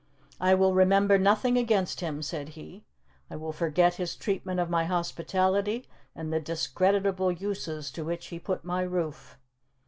"I will remember nothing against him," said he. "I will forget his treatment of my hospitality, and the discreditable uses to which he put my roof."